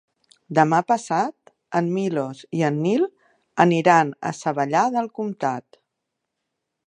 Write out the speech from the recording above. Demà passat en Milos i en Nil aniran a Savallà del Comtat.